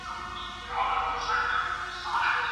قانوید په ټولو یو شان وي.